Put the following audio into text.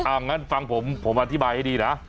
งั้นฟังผมผมอธิบายให้ดีนะ